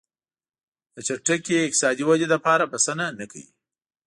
د چټکې اقتصادي ودې لپاره بسنه نه کوي.